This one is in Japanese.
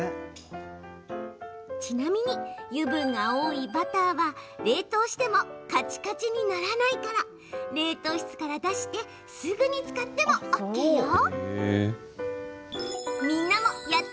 ちなみに、油分が多いバターは冷凍してもカチカチにならないから冷凍室から出してすぐに使ってもＯＫよ。ね